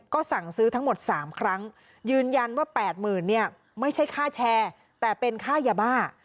ก็สั่งซื้อทั้งหมด๓ครั้งยืนยันว่า๘๐๐๐เนี่ยไม่ใช่ค่าแชร์แต่เป็นค่ายาบ้า